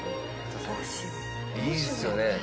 いいですよね。